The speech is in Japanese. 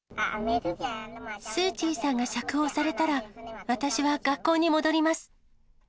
スー・チーさんが釈放されたら、私は学校に戻ります。